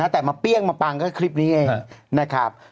แต่มาเปรี้ยงมาปังก็คลิปนี้เองนะครับ